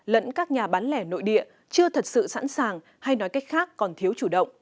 lẫn các nhà bán lẻ nội địa chưa thật sự sẵn sàng hay nói cách khác còn thiếu chủ động